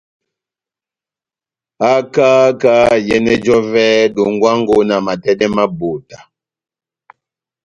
Haka kahá iyɛnɛ j'ɔvɛ dongwango na matɛdɛ ma ebota.